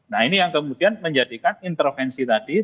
nah ini yang kemudian menjadikan intervensi tadi